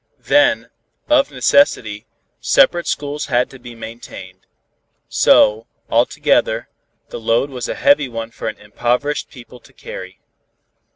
Then, of necessity, separate schools had to be maintained. So, altogether, the load was a heavy one for an impoverished people to carry.